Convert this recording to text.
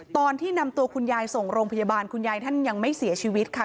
ตอนที่นำตัวคุณยายส่งโรงพยาบาลคุณยายท่านยังไม่เสียชีวิตค่ะ